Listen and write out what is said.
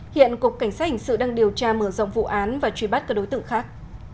hiện cục cảnh sát hình sự đang điều tra mở rộng vụ án và truy bắt các đối tượng khác